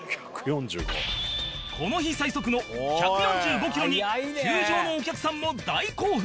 この日最速の１４５キロに球場のお客さんも大興奮